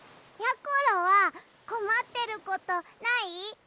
ころはこまってることない？